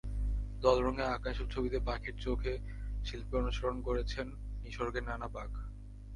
জলরঙে আঁকা এসব ছবিতে পাখির চোখে শিল্পী অনুসরণ করেছেন নিসর্গের নানা বাঁক।